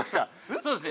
そうですね